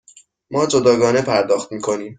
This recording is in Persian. ما جداگانه پرداخت می کنیم.